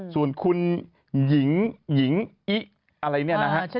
ส่วนคุณหญิงหญิงอิอะไรเนี่ยนะฮะ